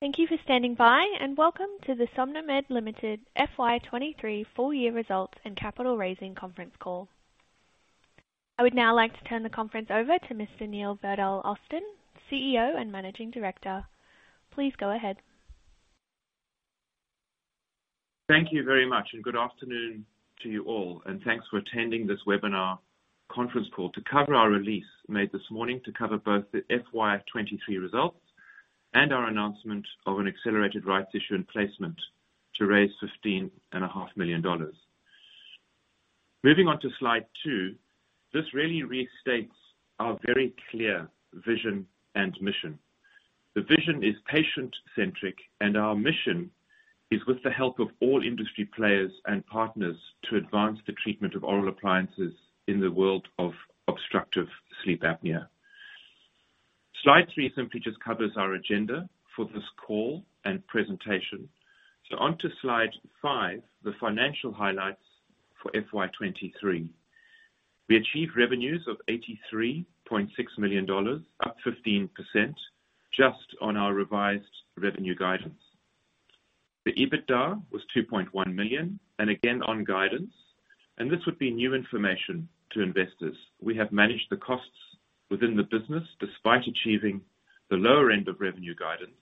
Thank you for standing by, and welcome to the SomnoMed Limited FY 2023 full year results and capital raising conference call. I would now like to turn the conference over to Mr. Neil Verdal-Austin, CEO and Managing Director. Please go ahead. Thank you very much, and good afternoon to you all, and thanks for attending this webinar conference call to cover our release made this morning to cover both the FY 2023 results and our announcement of an accelerated rights issue and placement to raise 15.5 million dollars. Moving on to slide two. This really restates our very clear vision and mission. The vision is patient-centric, and our mission is, with the help of all industry players and partners, to advance the treatment of oral appliances in the world of obstructive sleep apnea. Slide three simply just covers our agenda for this call and presentation. On to slide five, the financial highlights for FY 2023. We achieved revenues of 83.6 million dollars, up 15%, just on our revised revenue guidance. The EBITDA was 2.1 million and again, on guidance, and this would be new information to investors. We have managed the costs within the business despite achieving the lower end of revenue guidance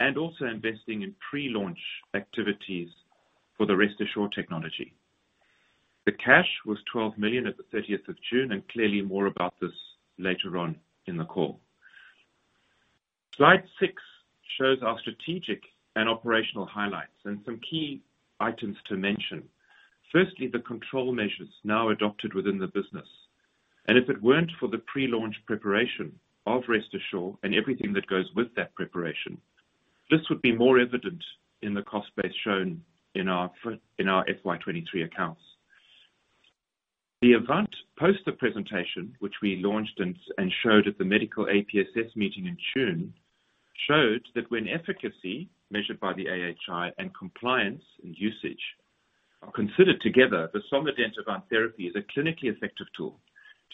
and also investing in pre-launch activities for the RestAssure technology. The cash was 12 million at the 30th of June, and clearly more about this later on in the call. Slide six shows our strategic and operational highlights and some key items to mention. Firstly, the control measures now adopted within the business, and if it weren't for the pre-launch preparation of RestAssure and everything that goes with that preparation, this would be more evident in the cost base shown in our FY 2023 accounts. The Avant poster presentation, which we launched and showed at the medical APSS meeting in June, showed that when efficacy measured by the AHI and compliance and usage are considered together, the SomnoDent Avant therapy is a clinically effective tool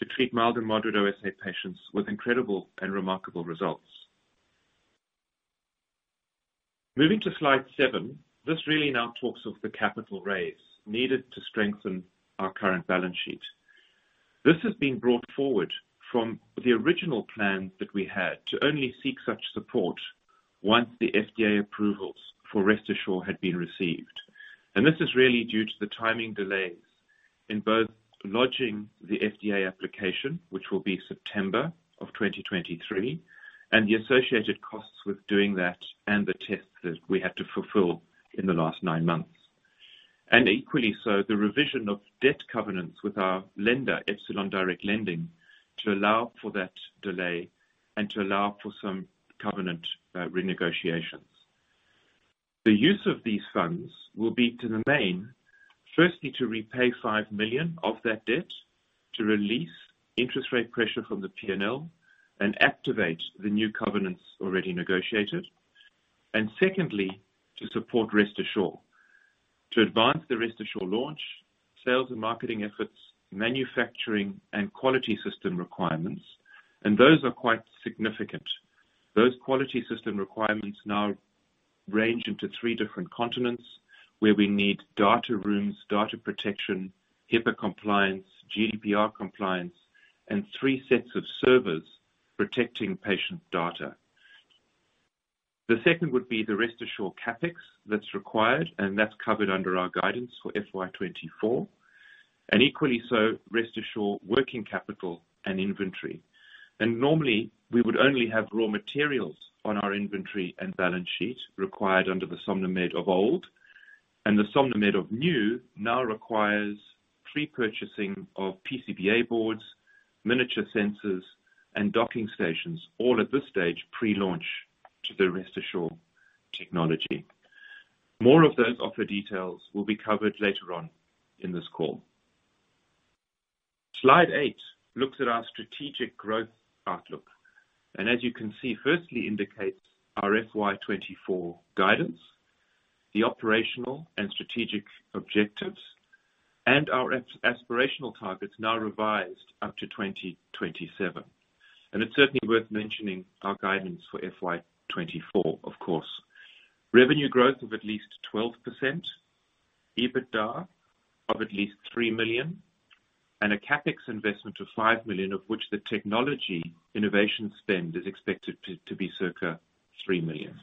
to treat mild and moderate OSA patients with incredible and remarkable results. Moving to slide seven. This really now talks of the capital raise needed to strengthen our current balance sheet. This has been brought forward from the original plan that we had to only seek such support once the FDA approvals for RestAssure had been received. This is really due to the timing delays in both lodging the FDA application, which will be September 2023, and the associated costs with doing that and the tests that we had to fulfill in the last nine months. And equally so, the revision of debt covenants with our lender, Epsilon Direct Lending, to allow for that delay and to allow for some covenant renegotiations. The use of these funds will be to the main, firstly, to repay 5 million of that debt, to release interest rate pressure from the P&L, and activate the new covenants already negotiated. And secondly, to support Rest Assure. To advance the Rest Assure launch, sales and marketing efforts, manufacturing, and quality system requirements, and those are quite significant. Those quality system requirements now range into three different continents, where we need data rooms, data protection, HIPAA compliance, GDPR compliance, and three sets of servers protecting patient data. The second would be the Rest Assure CapEx that's required, and that's covered under our guidance for FY 2024, and equally so, Rest Assure working capital and inventory. Normally, we would only have raw materials on our inventory and balance sheet required under the SomnoMed of old, and the SomnoMed of new now requires pre-purchasing of PCBA boards, miniature sensors, and docking stations, all at this stage, pre-launch to the Rest Assure technology. More of those offer details will be covered later on in this call. Slide eight looks at our strategic growth outlook, and as you can see, firstly indicates our FY 2024 guidance, the operational and strategic objectives, and our aspirational targets, now revised up to 2027. It's certainly worth mentioning our guidance for FY 2024, of course. Revenue growth of at least 12%, EBITDA of at least 3 million, and a CapEx investment of 5 million, of which the technology innovation spend is expected to be circa 3 million.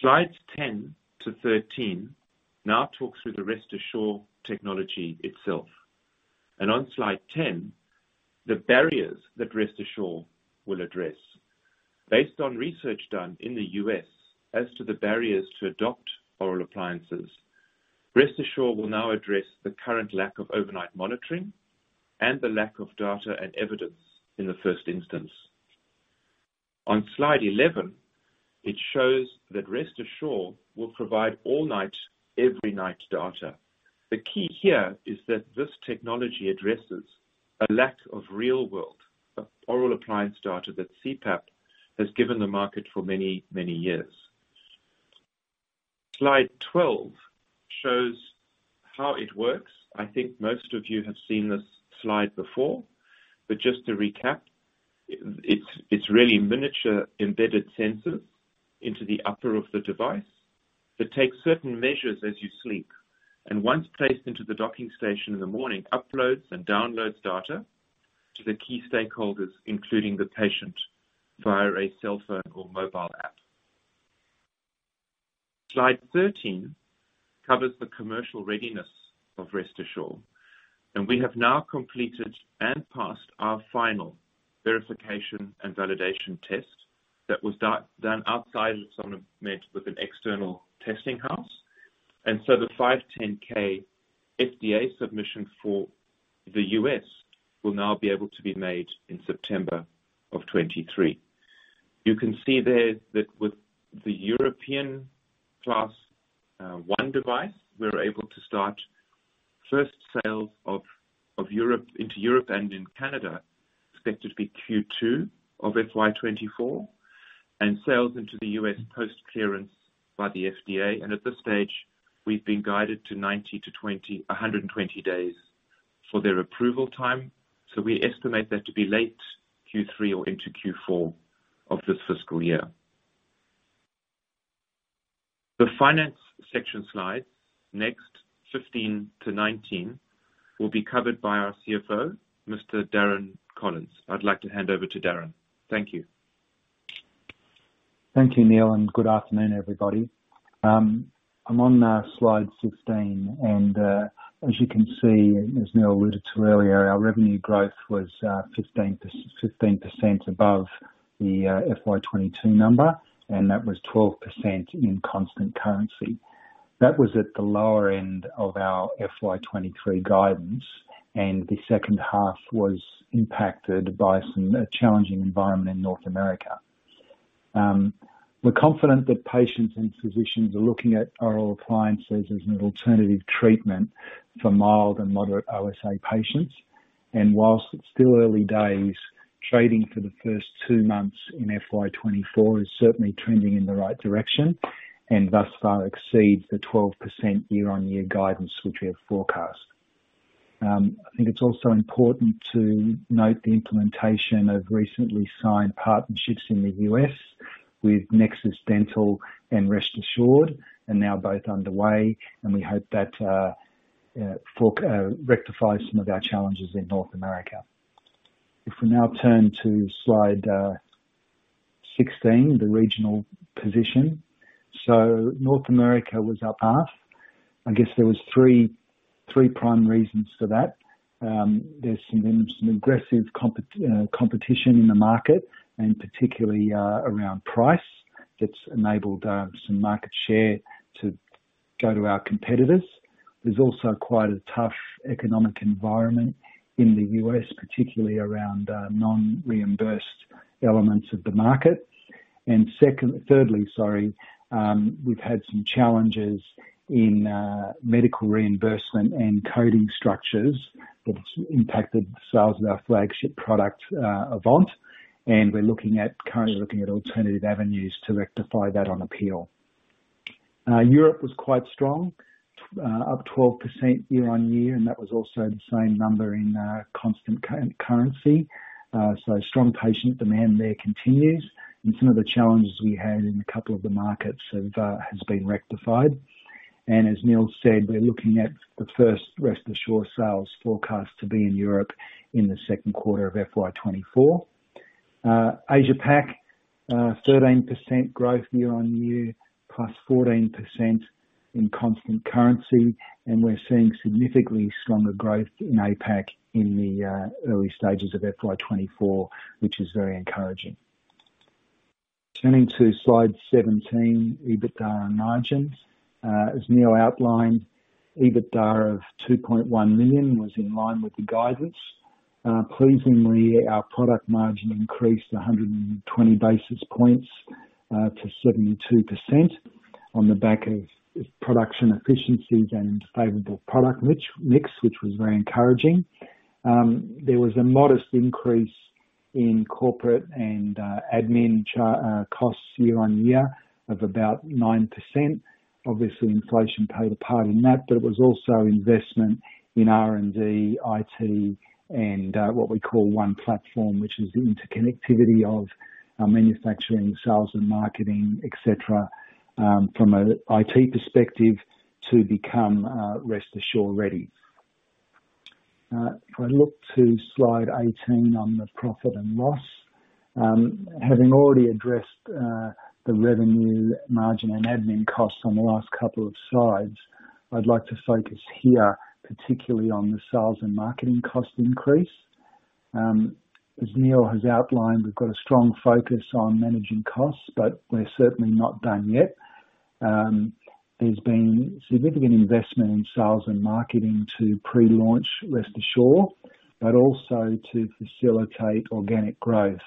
Slides 10-13 now talk through the Rest Assure technology itself. On slide 10, the barriers that Rest Assure will address. Based on research done in the U.S. as to the barriers to adopt oral appliances, Rest Assure will now address the current lack of overnight monitoring and the lack of data and evidence in the first instance. On Slide 11, it shows that Rest Assure will provide all night, every night data. The key here is that this technology addresses a lack of real-world, oral appliance data that CPAP has given the market for many, many years. Slide 12 shows how it works. I think most of you have seen this slide before, but just to recap, it's really miniature embedded sensors into the upper of the device that take certain measures as you sleep, and once placed into the docking station in the morning, uploads and downloads data to the key stakeholders, including the patient, via a cell phone or mobile app. Slide 13 covers the commercial readiness of Rest Assure, and we have now completed and passed our final verification and validation test that was done outside of SomnoMed with an external testing house. So the 510(k) FDA submission for the U.S. will now be able to be made in September 2023. You can see there that with the European Class One device, we're able to start first sales of Europe into Europe and in Canada, expected to be Q2 of FY 2024, and sales into the U.S. post-clearance by the FDA. At this stage, we've been guided to 90-120 days for their approval time, so we estimate that to be late Q3 or into Q4 of this fiscal year. The finance section slide, next, 15-19, will be covered by our CFO, Mr. Darren Collins. I'd like to hand over to Darren. Thank you. Thank you, Neil, and good afternoon, everybody. I'm on slide sixteen, and as you can see, as Neil alluded to earlier, our revenue growth was 15% above the FY 2022 number, and that was 12% in constant currency. That was at the lower end of our FY 2023 guidance, and the second half was impacted by some challenging environment in North America. We're confident that patients and physicians are looking at oral appliances as an alternative treatment for mild and moderate OSA patients, and whilst it's still early days, trading for the first two months in FY 2024 is certainly trending in the right direction, and thus far exceeds the 12% year-on-year guidance, which we have forecast. I think it's also important to note the implementation of recently signed partnerships in the U.S. with Nexus Dental and Rest Assure, are now both underway, and we hope that rectifies some of our challenges in North America. If we now turn to slide 16, the regional position. So North America was up half. I guess there was three prime reasons for that. There's been some aggressive competition in the market, and particularly around price, that's enabled some market share to go to our competitors. There's also quite a tough economic environment in the U.S., particularly around non-reimbursed elements of the market. Thirdly, sorry, we've had some challenges in medical reimbursement and coding structures that's impacted the sales of our flagship product, Avant, and we're looking at, currently looking at alternative avenues to rectify that on appeal. Europe was quite strong, up 12% year-on-year, and that was also the same number in constant-currency. So strong patient demand there continues, and some of the challenges we had in a couple of the markets have has been rectified. As Neil said, we're looking at the first Rest Assure sales forecast to be in Europe in the second quarter of FY 2024. Asia Pac, thirteen percent growth year-on-year, plus 14% in constant currency, and we're seeing significantly stronger growth in APAC in the early stages of FY 2024, which is very encouraging. Turning to slide 17, EBITDA margins. As Neil outlined, EBITDA of 2.1 million was in line with the guidance. Pleasingly, our product margin increased 100 basis points to 72% on the back of production efficiencies and favorable product mix, which was very encouraging. There was a modest increase in corporate and admin costs year-on-year of about 9%. Obviously, inflation played a part in that, but it was also investment in R&D, IT, and what we call One Platform, which is the interconnectivity of our manufacturing, sales and marketing, et cetera, from a IT perspective to become Rest Assure ready. If I look to slide 18 on the profit and loss, having already addressed the revenue margin and admin costs on the last couple of slides, I'd like to focus here, particularly on the sales and marketing cost increase. As Neil has outlined, we've got a strong focus on managing costs, but we're certainly not done yet. There's been significant investment in sales and marketing to pre-launch RestAssure, but also to facilitate organic growth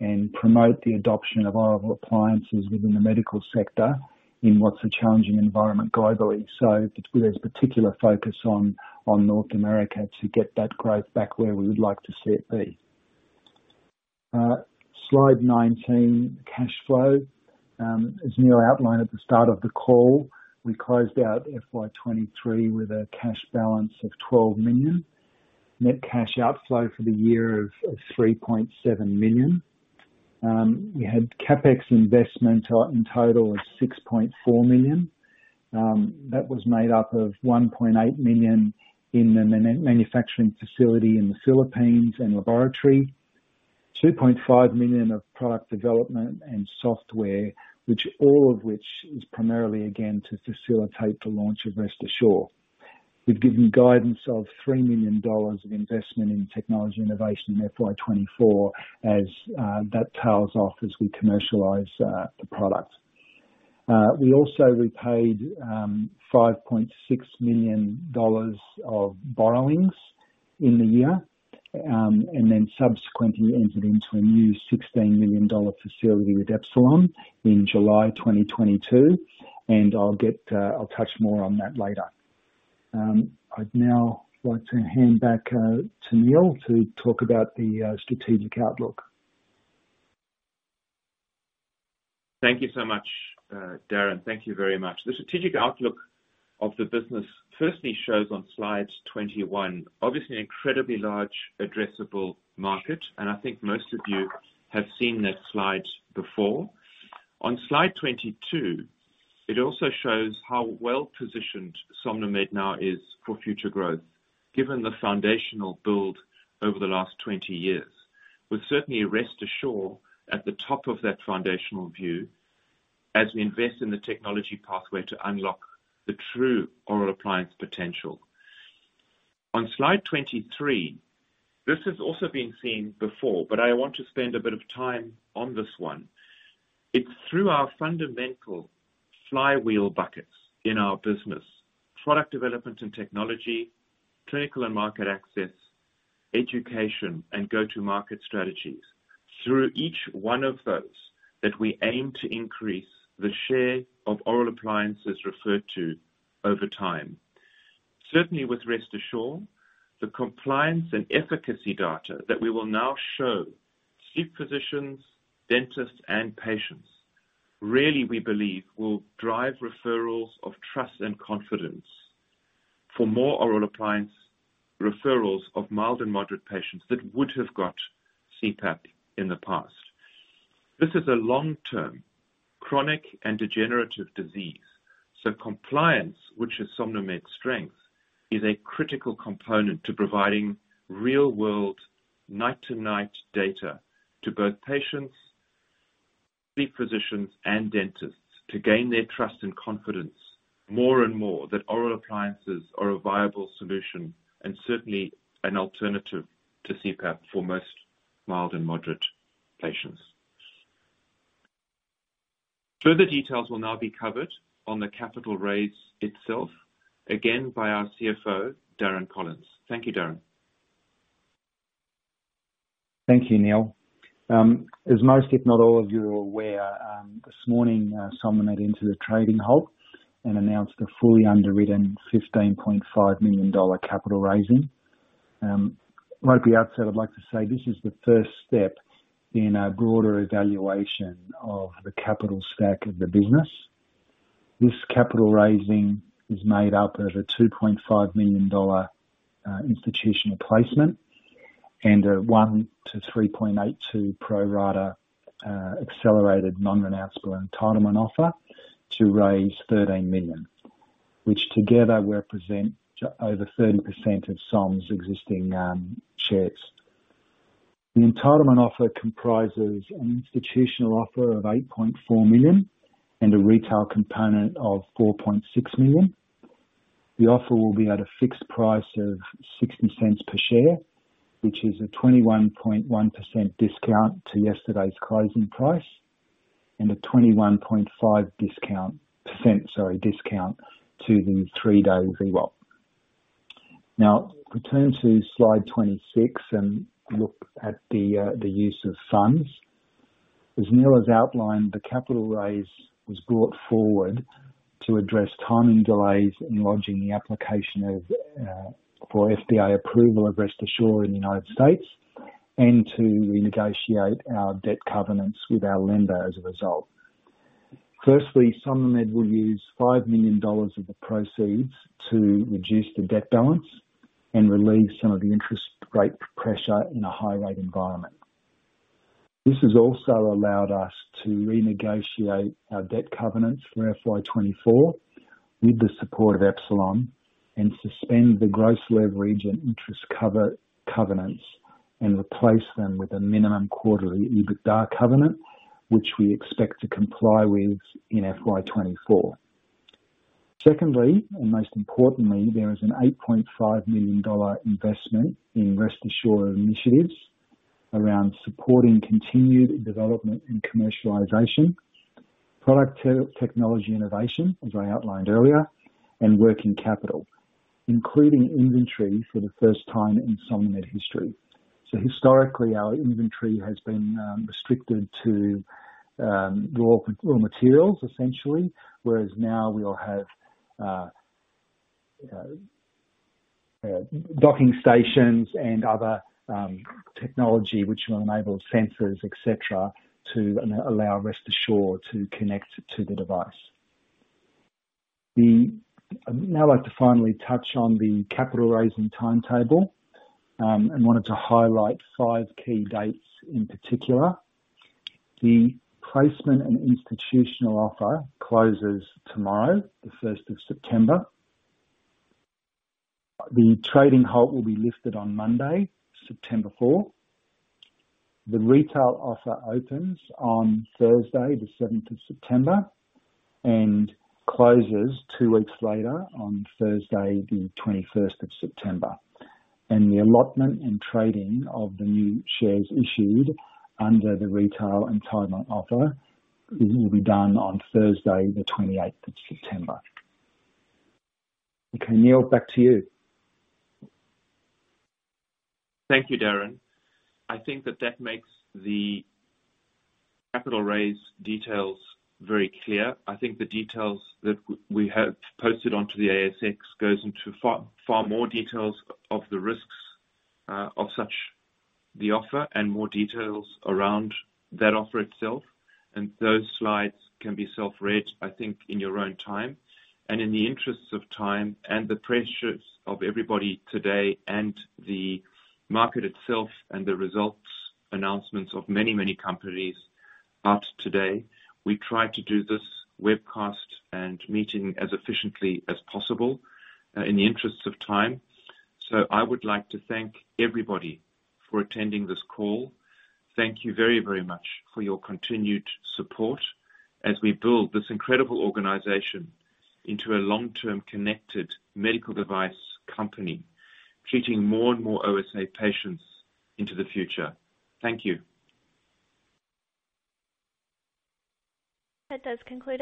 and promote the adoption of oral appliances within the medical sector in what's a challenging environment globally. So there's particular focus on North America to get that growth back where we would like to see it be.... Slide 19, cash flow. As Neil outlined at the start of the call, we closed out FY 2023 with a cash balance of 12 million. Net cash outflow for the year of 3.7 million. We had CapEx investment in total of 6.4 million. That was made up of 1.8 million in the manufacturing facility in the Philippines and laboratory. 2.5 million of product development and software, which all of which is primarily, again, to facilitate the launch of Rest Assure. We've given guidance of 3 million dollars of investment in technology innovation in FY 2024 as that tails off as we commercialize the product. We also repaid 5.6 million dollars of borrowings in the year, and then subsequently entered into a new 16 million dollar facility with Epsilon in July 2022, and I'll get, I'll touch more on that later. I'd now like to hand back to Neil to talk about the strategic outlook. Thank you so much, Darren. Thank you very much. The strategic outlook of the business firstly shows on slides 21, obviously, an incredibly large addressable market, and I think most of you have seen this slide before. On slide 22, it also shows how well-positioned SomnoMed now is for future growth, given the foundational build over the last 20 years. With certainly Rest Assure at the top of that foundational view, as we invest in the technology pathway to unlock the true oral appliance potential. On slide 23, this has also been seen before, but I want to spend a bit of time on this one. It's through our fundamental flywheel buckets in our business, product development and technology, clinical and market access, education, and go-to-market strategies, through each one of those that we aim to increase the share of oral appliances referred to over time. Certainly, with Rest Assure, the compliance and efficacy data that we will now show sleep physicians, dentists, and patients, really, we believe, will drive referrals of trust and confidence for more oral appliance referrals of mild and moderate patients that would have got CPAP in the past. This is a long-term, chronic, and degenerative disease, so compliance, which is SomnoMed's strength, is a critical component to providing real-world, night-to-night data to both patients, sleep physicians, and dentists to gain their trust and confidence more and more that oral appliances are a viable solution, and certainly an alternative to CPAP for most mild and moderate patients. Further details will now be covered on the capital raise itself, again, by our CFO, Darren Collins. Thank you, Darren. Thank you, Neil. As most, if not all of you are aware, this morning SomnoMed entered a trading halt and announced a fully underwritten 15.5 million dollar capital raising. Right at the outset, I'd like to say this is the first step in a broader evaluation of the capital stack of the business. This capital raising is made up of a 2.5 million dollar institutional placement and a 1-3.82 pro rata accelerated non-renounceable entitlement offer to raise 13 million, which together represent over 30% of SomnoMed's existing shares. The entitlement offer comprises an institutional offer of 8.4 million and a retail component of 4.6 million. The offer will be at a fixed price of 0.60 per share, which is a 21.1% discount to yesterday's closing price, and a 21.5% discount, sorry, to the three-day VWAP. Now, return to slide 26 and look at the use of funds. As Neil has outlined, the capital raise was brought forward to address timing delays in lodging the application for FDA approval of Rest Assure in the United States, and to renegotiate our debt covenants with our lender as a result. Firstly, SomnoMed will use 5 million dollars of the proceeds to reduce the debt balance and relieve some of the interest rate pressure in a high-rate environment. This has also allowed us to renegotiate our debt covenants for FY 2024 with the support of Epsilon, and suspend the gross leverage and interest cover covenants, and replace them with a minimum quarterly EBITDA covenant, which we expect to comply with in FY 2024. Secondly, and most importantly, there is an $8.5 million investment in Rest Assure initiatives around supporting continued development and commercialization, product technology innovation, as I outlined earlier, and working capital, including inventory for the first time in SomnoMed history. So historically, our inventory has been restricted to raw materials, essentially, whereas now we'll have docking stations and other technology which will enable sensors, et cetera, to allow Rest Assure to connect to the device. I'd now like to finally touch on the capital raising timetable, and wanted to highlight five key dates in particular. The placement and institutional offer closes tomorrow, the 1st of September. The trading halt will be lifted on Monday, September 4th. The retail offer opens on Thursday, the 7th of September, and closes two weeks later on Thursday, the 21st of September. The allotment and trading of the new shares issued under the retail entitlement offer will be done on Thursday, the 28th of September. Okay, Neil, back to you. Thank you, Darren. I think that that makes the capital raise details very clear. I think the details that we have posted onto the ASX goes into far, far more details of the risks of such the offer, and more details around that offer itself, and those slides can be self-read, I think, in your own time. In the interests of time and the pressures of everybody today, and the market itself, and the results announcements of many, many companies out today, we try to do this webcast and meeting as efficiently as possible, in the interests of time. So I would like to thank everybody for attending this call. Thank you very, very much for your continued support as we build this incredible organization into a long-term, connected medical device company, treating more and more OSA patients into the future. Thank you. That does conclude-